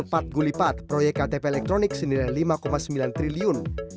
dapat gulipat proyek ktp elektronik senilai lima sembilan triliun